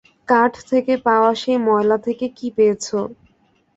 কাঠ থেকে পাওয়া সেই ময়লা থেকে কী পেয়েছ?